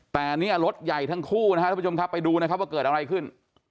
แต่เนี่ยรถใหญ่ทั้งคู่นะครับทุกผู้ชมครับไปดูนะครับว่าเกิดอะไรขึ้น